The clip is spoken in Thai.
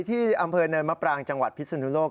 ที่อำเภอเนินมะปรางจังหวัดพิศนุโลก